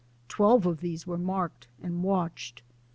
Twelve of these were marked and watched.